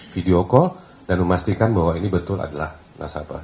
video call dan memastikan bahwa ini betul adalah nasabah